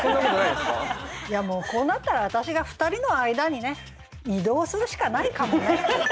いやもうこうなったら私が２人の間にね移動するしかないかもね。